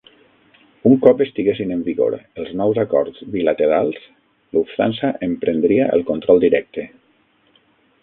Un cop estiguessin en vigor els nous acords bilaterals, Lufthansa en prendria el control directe.